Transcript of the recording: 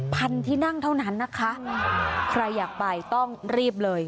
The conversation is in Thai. พันที่นั่งเท่านั้นนะคะใครอยากไปต้องรีบเลย